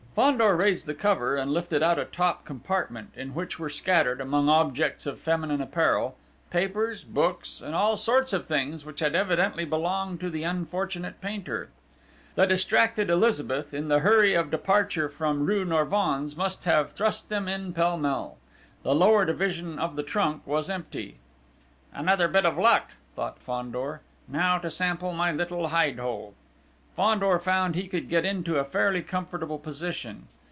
Fandor raised the cover and lifted out a top compartment, in which were scattered, among objects of feminine apparel, papers, books, and all sorts of things which had evidently belonged to the unfortunate painter. The distracted Elizabeth, in the hurry of departure from rue Norvins, must have thrust them in pell mell. The lower division of the trunk was empty. "Another bit of luck!" thought Fandor. "Now to sample my little hide hole!" Fandor found he could get into a fairly comfortable position.